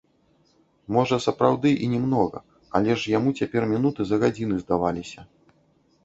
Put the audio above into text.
Можа, сапраўды і не многа, але ж яму цяпер мінуты за гадзіны здаваліся.